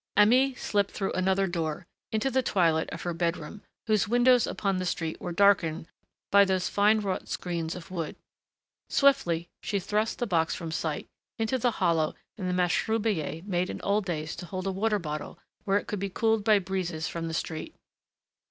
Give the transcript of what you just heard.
Aimée slipped through another door, into the twilight of her bedroom, whose windows upon the street were darkened by those fine wrought screens of wood. Swiftly she thrust the box from sight, into the hollow in the mashrubiyeh made in old days to hold a water bottle where it could be cooled by breezes from the street.